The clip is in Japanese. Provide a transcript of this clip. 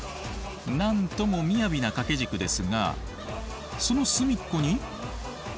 何ともみやびな掛け軸ですがその隅っこにえっ！